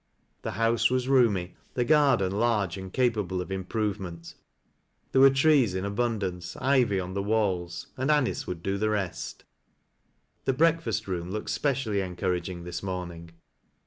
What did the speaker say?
The house was roomy, the garden large and capable of improvement ; there were trees in abundance, ivy on the walls, and Anice would do the rest. The breakfast room looked specially encouraging this morn ing.